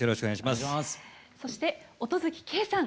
そして音月桂さん。